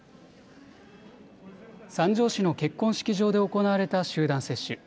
三条市の結婚式場で行われた集団接種。